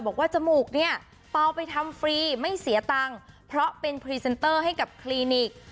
จมูกเนี่ยเปล่าไปทำฟรีไม่เสียตังค์เพราะเป็นพรีเซนเตอร์ให้กับคลินิก